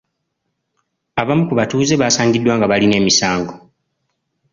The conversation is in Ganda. Abamu ku batuuze baasangiddwa nga balina emisango.